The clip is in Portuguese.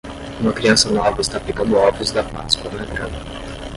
Uma criança nova está pegando ovos da páscoa na grama.